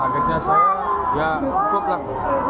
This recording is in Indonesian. akhirnya saya ya cukup lah